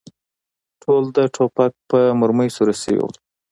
ټول د ټوپک په مرمۍ سوري شوي و.